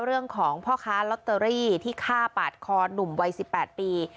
เรื่องของพ่อค้าลอตเตอรี่ที่ฆ่าปาดคอหนุ่มวัย๑๘ปี